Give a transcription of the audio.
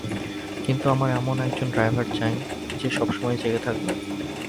কিন্তু আমার এমন একজন ড্রাইভার চাই যে সবসময় জেগে থাকবে।